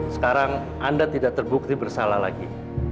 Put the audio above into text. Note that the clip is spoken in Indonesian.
sekarang anda tidak terbukti bersalah lagi